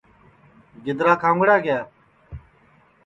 گِدرا کھاؤنگڑا کِیا